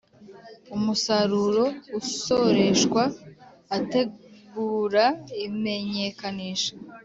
Umusaruro usoreshwa ategura imenyekanisha